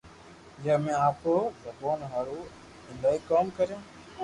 جي امي آپرو زبون ھارو ايلائيڪوم ڪريو